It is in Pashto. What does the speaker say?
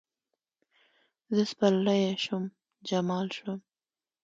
زر سپرلیه شوم، جمال شوم